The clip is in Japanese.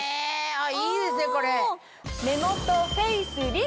いいですねこれ。